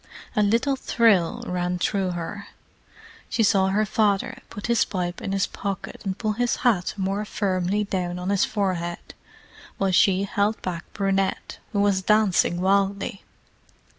A little thrill ran through her. She saw her father put his pipe in his pocket and pull his hat more firmly down on his forehead, while she held back Brunette, who was dancing wildly.